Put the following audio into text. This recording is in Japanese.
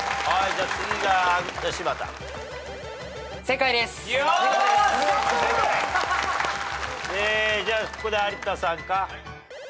じゃあここで有田さんか。